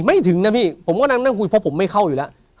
ถึงนะพี่ผมก็นั่งคุยเพราะผมไม่เข้าอยู่แล้ว